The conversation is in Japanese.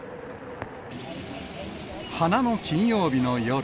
花の金曜日の夜。